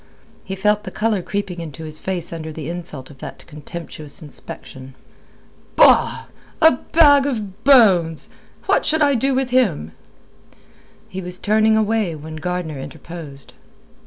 He felt the colour creeping into his face under the insult of that contemptuous inspection. "Bah! A bag of bones. What should I do with him?" He was turning away when Gardner interposed.